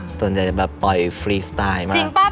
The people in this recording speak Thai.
สนใจปล่อยฟรีสไตล์มาก